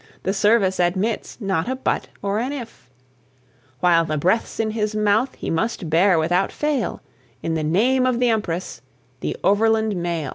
The service admits not a "but" or an "if"; While the breath's in his mouth, he must bear without fail, In the name of the Empress the Overland Mail.